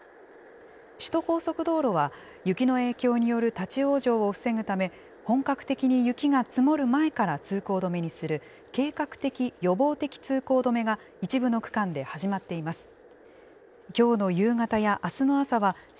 首都高速道路は、雪の影響による立往生を防ぐため、本格的に雪が積もる前から通行止めにする、計画的・予防的通行止めが一部の区間で始まっています。